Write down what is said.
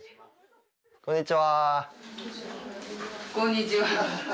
こんにちは。